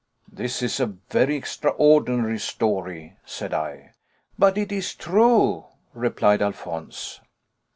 "This is a very extraordinary story," said I. "But it is true," replied Alphonse.